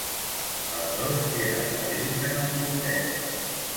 Els dos queden ferits en el tiroteig.